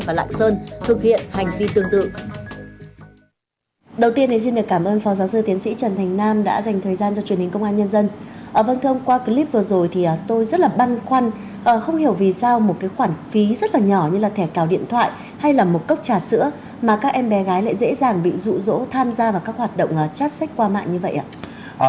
vâng thưa ông qua clip vừa rồi thì tôi rất là băn khoăn không hiểu vì sao một cái khoản phí rất là nhỏ như là thẻ cào điện thoại hay là một cốc trà sữa mà các em bé gái lại dễ dàng bị rũ rỗ tham gia vào các hoạt động chát sách qua mạng như vậy ạ